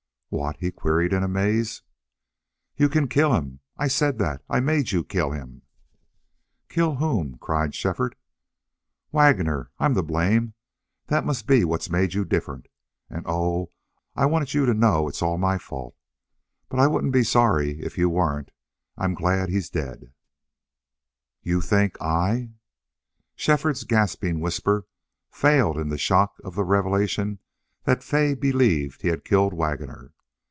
"What?" he queried in amaze. "'YOU CAN KILL HIM!'... I said that. I made you kill him." "Kill whom?" cried Shefford. "Waggoner. I'm to blame.... That must be what's made you different. And, oh, I've wanted you to know it's all my fault.... But I wouldn't be sorry if you weren't.... I'm glad he's dead." "YOU THINK I " Shefford's gasping whisper failed in the shock of the revelation that Fay believed he had killed Waggoner.